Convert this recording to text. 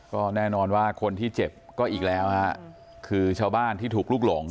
ก็แน่นอนว่าคนที่เจ็บก็อีกแล้วฮะคือชาวบ้านที่ถูกลุกหลง